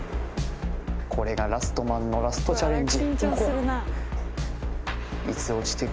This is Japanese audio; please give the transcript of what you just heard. これがラストマンのラストチャレンジ